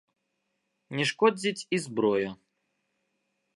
Не шкодзіць і зброя.